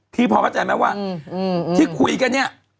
พอเข้าใจไหมว่าที่คุยกันเนี่ย